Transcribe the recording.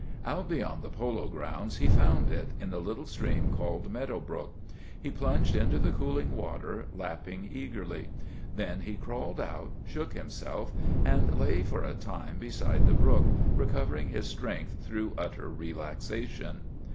Out beyond the Polo Grounds he found it, in the little stream called Meadow Brook. He plunged into the cooling water, lapping eagerly. Then he crawled out, shook himself, and lay for a time be side the brook, recovering his strength through utter relaxation.